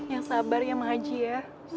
yang sabar yang menghaji ya